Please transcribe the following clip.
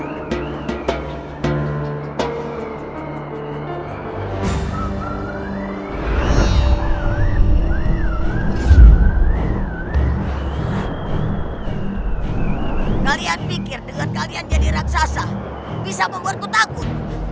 kalian pikir dengan kalian jadi raksasa bisa membuatku takut